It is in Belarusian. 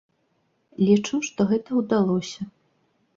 Лічу, што гэта ўдалося.